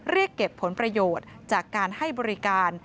เรียกเก็บผลประโยชน์จากการให้บริการ